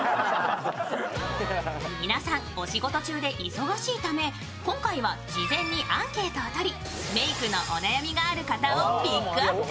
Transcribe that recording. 皆さんお仕事中でお忙しいため今回は事前にアンケートを取り、メイクのお悩みがある方をピックアップ。